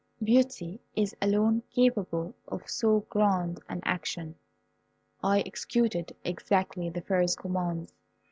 Beauty is alone capable of so grand an action." I executed exactly the Fairy's commands.